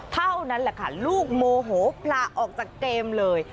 เท่านั้นแหละค่ะลูกโมโหพลาออกจากเกมเลย